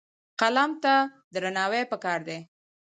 قلم ته درناوی پکار دی.